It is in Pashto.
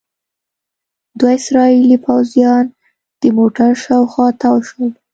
دوه اسرائیلي پوځیان د موټر شاوخوا تاو شول.